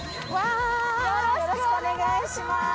よろしくお願いします。